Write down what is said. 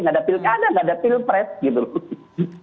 nggak ada pilkada nggak ada pilpres gitu loh